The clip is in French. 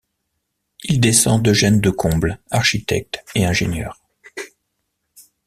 Il descend d'Eugène Decomble, architecte et ingénieur.